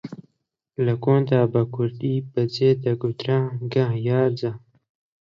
لە کۆندا بە کوردی بە جێ دەگوترا گەه یا جەه